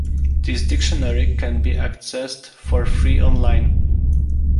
This dictionary can be accessed for free online.